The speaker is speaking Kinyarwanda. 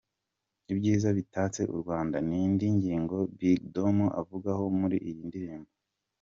Ibyiza bitatse u Rwanda, ni indi ngingo Big Dom avugaho muri iyi ndirimbo.